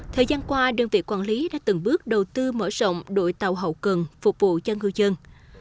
thời gian qua đơn vị quản lý đã từng bước đầu tư mở rộng đội tàu hậu cần phục vụ cho ngư dân